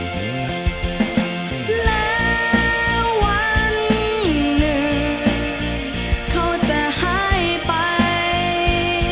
และวันหนึ่งเขาจะหายไป